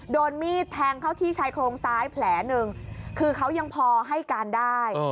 โดนมีดแทงเข้าที่ชายโครงซ้ายแผลหนึ่งคือเขายังพอให้การได้